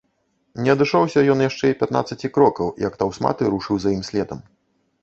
Не адышоўся ён яшчэ і пятнаццаці крокаў, як таўсматы рушыў за ім следам.